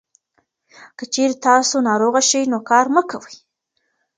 که چېرې تاسو ناروغه شئ، نو کار مه کوئ.